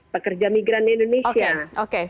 pekerja migran indonesia